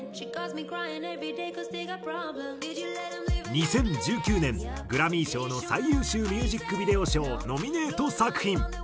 ２０１９年グラミー賞の最優秀ミュージックビデオ賞ノミネート作品。